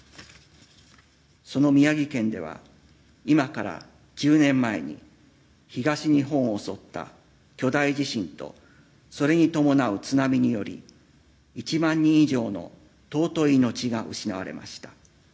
その宮城県では、今から十年前に東日本を襲った巨大地震とそれに伴う津波により一万人以上の尊い命が失われました。